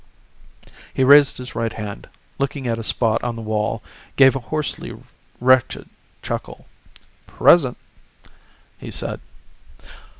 He raised his right hand, looked at a spot on the wall, gave a hoarsely wretched chuckle. "Present," he said.